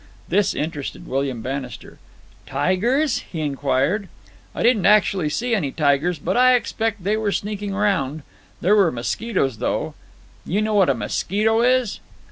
This interested William Bannister. "Tigers?" he inquired. "I didn't actually see any tigers, but I expect they were sneaking round. There were mosquitoes, though. You know what a mosquito is?"